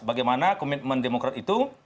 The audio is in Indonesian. bagaimana komitmen demokrat itu